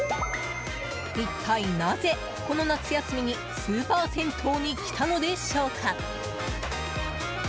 一体なぜ、この夏休みにスーパー銭湯に来たのでしょうか。